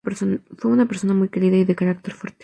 Fue una persona muy querida y de carácter fuerte.